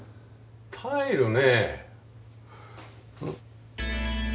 タイルね。